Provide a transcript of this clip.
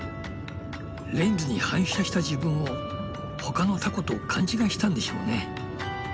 レンズに反射した自分を他のタコと勘違いしたんでしょうね。